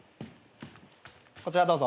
こちらどうぞ。